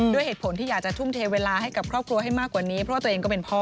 ด้วยเหตุผลที่อยากจะทุ่มเทเวลาให้กับครอบครัวให้มากกว่านี้เพราะว่าตัวเองก็เป็นพ่อ